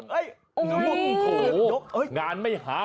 โหงานไม่หา